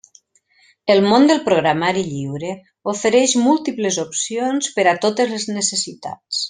El món del programari lliure ofereix múltiples opcions per a totes les necessitats.